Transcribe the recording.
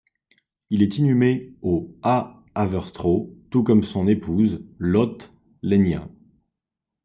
Il est inhumé au à Haverstraw, tout comme son épouse, Lotte Lenya.